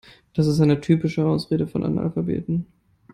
Das ist eine typische Ausrede von Analphabeten.